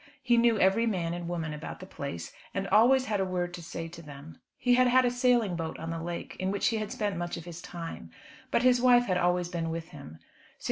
He knew every man and woman about the place, and always had a word to say to them. He had had a sailing boat on the lake, in which he had spent much of his time, but his wife had always been with him.